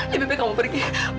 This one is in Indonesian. lebih baik kamu pergi